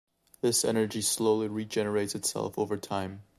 This energy slowly regenerates itself over time.